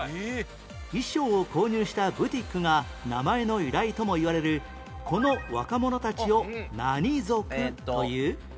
衣装を購入したブティックが名前の由来ともいわれるこの若者たちを何族という？